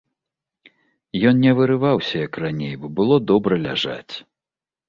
Ён не вырываўся, як раней, бо было добра ляжаць.